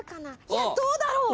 どうだろう？